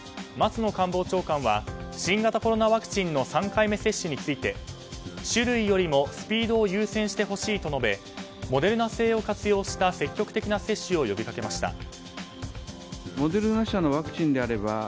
松野官房長官は新型コロナワクチンの３回目接種について種類よりもスピードを優先してほしいと述べモデルナ製を活用した積極的な接種を呼びかけました。